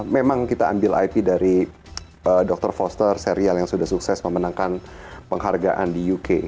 memang kita ambil ip dari dr foster serial yang sudah sukses memenangkan penghargaan di uk